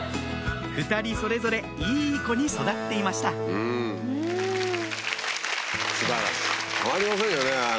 ２人それぞれいいコに育っていましたたまりませんよね。